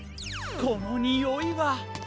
このにおいは。